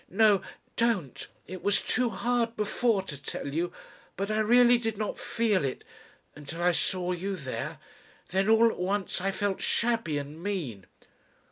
No ... don't! It was too hard before to tell you. But I really did not feel it ... until I saw you there. Then all at once I felt shabby and mean."